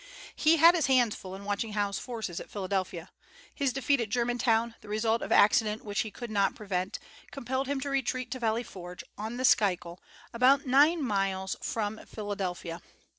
He had his hands full in watching Howe's forces at Philadelphia. His defeat at Germantown, the result of accident which he could not prevent, compelled him to retreat to Valley Forge, on the Schuylkill, about nine miles from Philadelphia.